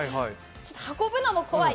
運ぶのも怖い。